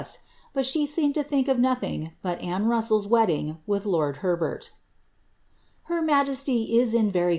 ist, but she seemed to think of nothing bui Anne Russell's weddin; with lord Herbert ;" "Her eryEoo.